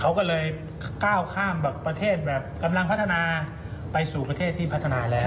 เขาก็เลยก้าวข้ามแบบประเทศแบบกำลังพัฒนาไปสู่ประเทศที่พัฒนาแล้ว